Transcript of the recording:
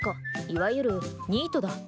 いわゆるニートだ。